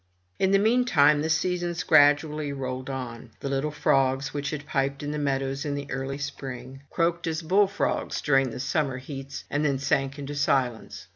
In the meantime, the seasons gradually rolled on. The little frogs which had piped in the meadows in early spring, croaked 117 MY BOOK HOUSE as bull frogs during the summer heats, and then sank into silence.